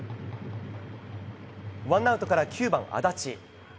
ワンアウトから９番、安達。